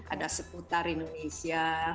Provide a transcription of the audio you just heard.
ada seputar indonesia